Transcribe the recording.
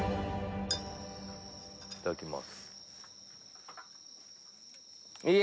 いただきます。